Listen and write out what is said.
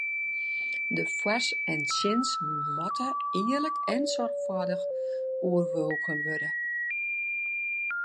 De foars en tsjins moatte earlik en soarchfâldich ôfwoegen wurde.